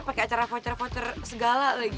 pakai acara voucher voucher segala lagi